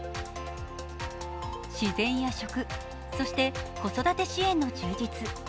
自然や食、そして子育て支援の充実